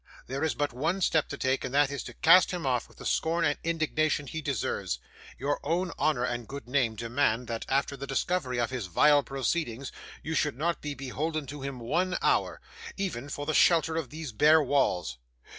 There is but one step to take, and that is to cast him off with the scorn and indignation he deserves. Your own honour and good name demand that, after the discovery of his vile proceedings, you should not be beholden to him one hour, even for the shelter of these bare walls.